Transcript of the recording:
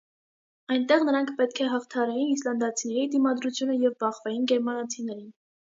Այնտեղ նրանք պետք է հաղթահարեին իսլանդացիների դիմադրությունը և բախվեին գերմանացիներին։